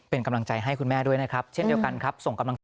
เป็นกำลังใจให้คุณแม่ด้วยนะครับเช่นเดียวกันครับ